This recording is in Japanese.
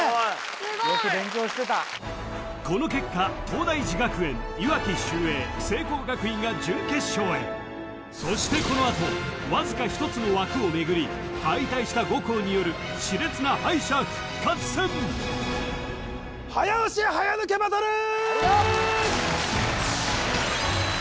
・すごいよく勉強してたこの結果東大寺学園いわき秀英聖光学院が準決勝へそしてこのあとわずか１つの枠をめぐり敗退した５校による熾烈な敗者復活戦！早押し早抜けバトルー！